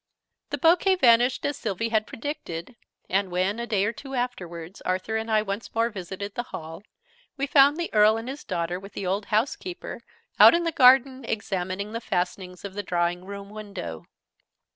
The bouquet vanished, as Sylvie had predicted; and when, a day or two afterwards, Arthur and I once more visited the Hall, we found the Earl and his daughter, with the old housekeeper, out in the garden, examining the fastenings of the drawing room window.